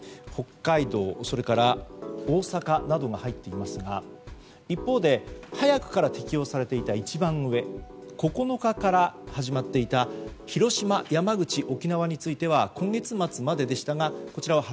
北海道、それから大阪などが入っていますが一方で早くから適用されていた９日から始まっていた広島・山口・沖縄については